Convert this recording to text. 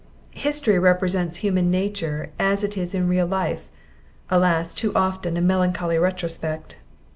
History represents human nature as it is in real life, alas, too often a melancholy retrospect!